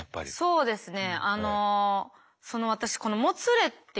そうですね。